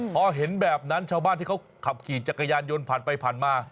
พอเห็นแบบนั้นชาวบ้านที่เขาขับขี่จักรยานยนต์ผ่านไปผ่านมา